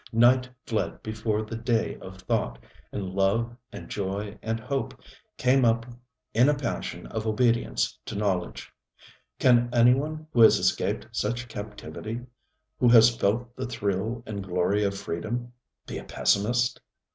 Night fled before the day of thought, and love and joy and hope came up in a passion of obedience to knowledge. Can anyone who has escaped such captivity, who has felt the thrill and glory of freedom, be a pessimist?